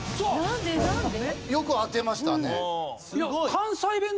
よく当てましたね。